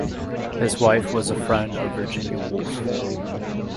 His wife was a friend of Virginia Woolf.